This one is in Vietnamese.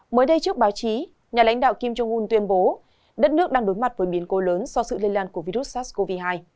mới đây trước báo chí nhà lãnh đạo kim jong un tuyên bố đất nước đang đối mặt với biến cố lớn do sự lây lan của virus sars cov hai